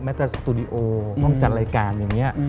แม้แต่สตูดิโอห้องจัดรายการอย่างเนี่ย